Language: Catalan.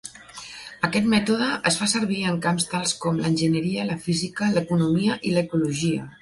Aquest mètode es fa servir en camps tals com l'enginyeria, la física, l'economia, i l'ecologia.